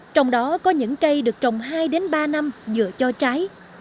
trong đó có những cây được trồng hai ba năm dựa cho trái